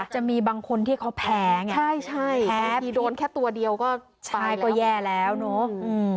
จะมีบางคนที่เขาแพ้ไงใช่ใช่แพ้มีโดนแค่ตัวเดียวก็ตายก็แย่แล้วเนอะ